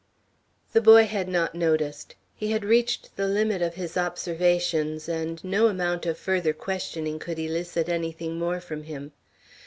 The boy had not noticed. He had reached the limit of his observations, and no amount of further questioning could elicit anything more from him.